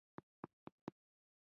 له اقتصاد له خوځنده ماشین څخه موزیم شو